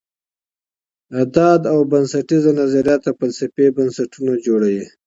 اعداد او بنسټیز نظریات د فلسفې بنسټونه جوړوي.